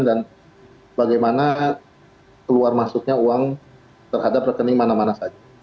dan bagaimana keluar masuknya uang terhadap rekening mana mana saja